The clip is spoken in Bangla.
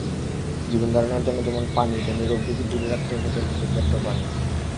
জীবনধারণের জন্য যেমন পানি, তেমনি রোগব্যাধি দূরে রাখতেও খেতে হবে পর্যাপ্ত পানি।